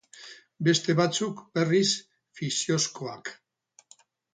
Beste batzuk, berriz, fikziozkoak.